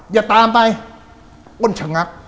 อย่าตามไปอ้นชะงัก